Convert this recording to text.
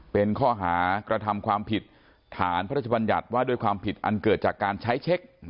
เป็นข้อหากระทำความผิดฐานพระราชบัญญัติว่าด้วยความผิดอันเกิดจากการใช้เช็ค